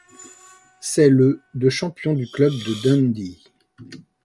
C’est le de champion du club de Dundee.